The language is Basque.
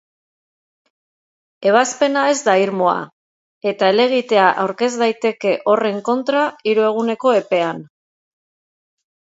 Ebazpena ez da irmoa eta helegitea aurkez daiteke horren kontra hiru eguneko epean.